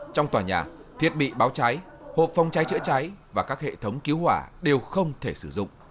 trong tòa nhà thiết bị báo cháy hộp phòng cháy chữa cháy và các hệ thống cứu hỏa đều không thể sử dụng